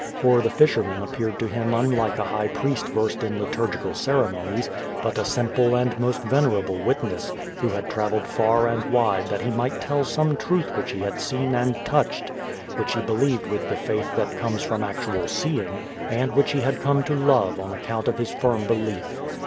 For the fisherman appeared to Mm un 1^8 Q^O VADI8. like a high priest versed in liturgical ceremonies, but a sim ple and most venerable witness, who had traveled far and wide that he might tell some truth which he had seen and touched, which he believed with the faith that comes from actual seeing, and which he had come to love on account of his fii'm belief.